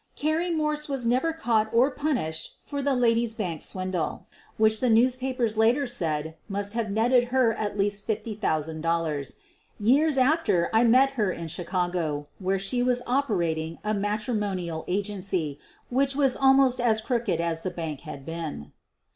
Carrie Morse was never caught or punished for the ladies ' bank swindle, which the newspapers later said must have netted her at least $50,000. Years after I met her in Chicago where she was operating a matrimonial agency which was almost as crooked as the bank had been.